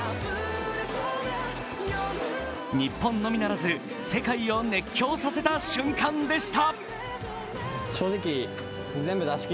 日本のみならず、世界を熱狂させた瞬間でした。